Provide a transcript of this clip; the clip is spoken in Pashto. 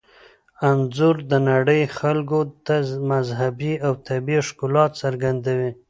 انځور د نړۍ خلکو ته مذهبي او طبیعي ښکلا څرګندوي.